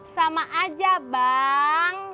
sama aja bang